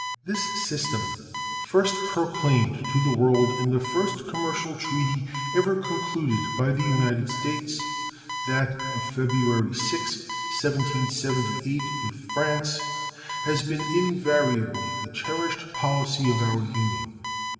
This system, first proclaimed to the world in the first commercial treaty ever concluded by the United States that of February 6th, 1778, with France has been invariably the cherished policy of our Union.